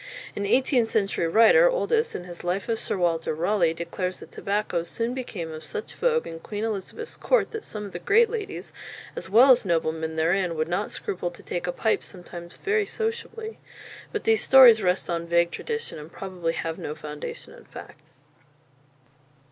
An eighteenth century writer, Oldys, in his "Life of Sir Walter Raleigh," declares that tobacco "soon became of such vogue in Queen Elizabeth's court, that some of the great ladies, as well as noblemen therein, would not scruple to take a pipe sometimes very sociably." But these stories rest on vague tradition, and probably have no foundation in fact.